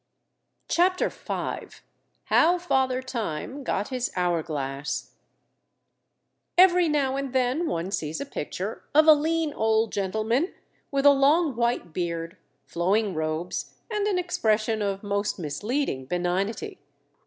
CHAPTER FIVE How Father Time Got His Hour Glass Every now and then one sees a picture of a lean old gentleman, with a long white beard, flowing robes, and an expression of most misleading benignity.